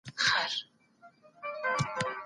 کله چي د اثر ډول معلوم سي نو لاره ورته لټوئ.